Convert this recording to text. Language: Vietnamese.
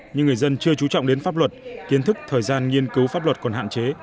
nhưng người dân chưa trú trọng đến pháp luật kiến thức thời gian nghiên cứu pháp luật còn hạn chế